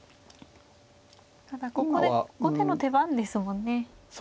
ただここで後手の手番ですもんね。